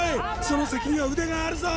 その先には腕があるぞ！